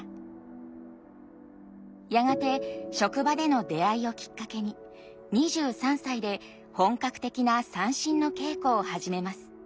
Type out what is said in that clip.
やがて職場での出会いをきっかけに２３歳で本格的な三線の稽古を始めます。